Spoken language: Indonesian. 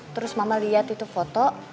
terus mama lihat itu foto